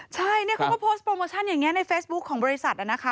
ใช่เนี่ยเขาก็โพสต์โปรโมชั่นอย่างนี้ในเฟซบุ๊คของบริษัทนะคะ